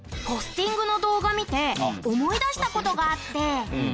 ポスティングの動画見て思い出した事があって。